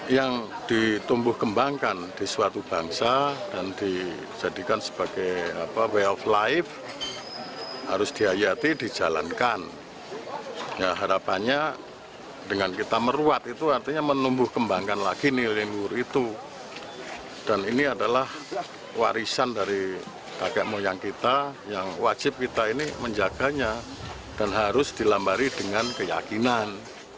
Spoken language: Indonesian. yang wajib kita ini menjaganya dan harus dilambari dengan keyakinan